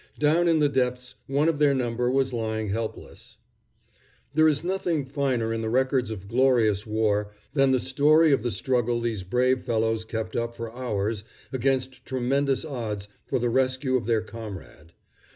Down in the depths one of their number was lying helpless. There is nothing finer in the records of glorious war than the story of the struggle these brave fellows kept up for hours against tremendous odds for the rescue of their comrade.